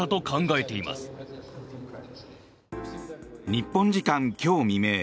日本時間今日未明